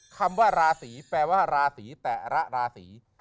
คำว่าราศีแปลว่าราศีแต่ละราศี